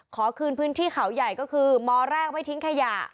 ขอคืนพื้นที่เขาใหญ่ก็คือมแรกไม่ทิ้งขยะ